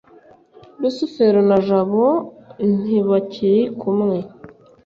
rusufero na jabo ntibakiri kumwe